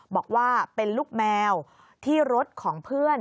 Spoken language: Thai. บอกว่าเป็นลูกแมวที่รถของเพื่อน